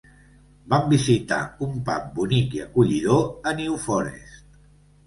Vam visitar un pub bonic i acollidor a New Forest.